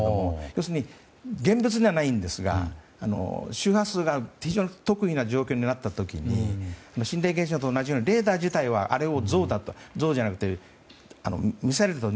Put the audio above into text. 要するに現物じゃないんですが周波数が特異な状況になった時心霊現象と同じようにレーダー自体はあれを像じゃなくてミサイルだと